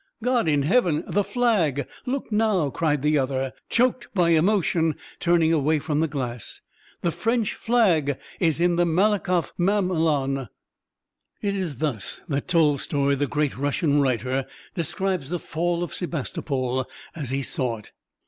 "'God in heaven the flag! Look now!' cried the other, choked by emotion, turning away from the glass. 'The French flag is in the Malakoff mamelon!'" It is thus that Tolstoi, the great Russian writer, describes the fall of Sebastopol, as he saw it.